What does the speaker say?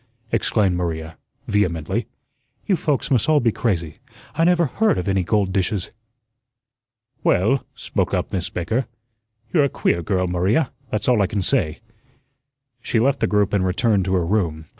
exclaimed Maria, vehemently. "You folks must all be crazy. I never HEARD of any gold dishes." "Well," spoke up Miss Baker, "you're a queer girl, Maria; that's all I can say." She left the group and returned to her room.